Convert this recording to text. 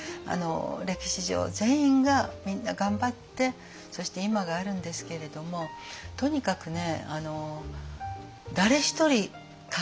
歴史上全員がみんな頑張ってそして今があるんですけれどもとにかくね